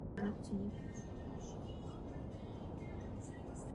Po skončení tenisové kariéry se věnoval amatérsky na regionální úrovni fotbalu.